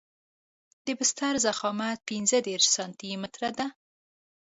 د بستر ضخامت پنځه دېرش سانتي متره دی